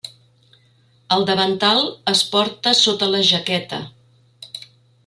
El davantal es porta sota la jaqueta.